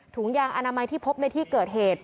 ถุงยางอนามัยที่พบในที่เกิดเหตุ